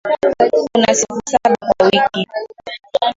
Kuna siku saba kwa wiki.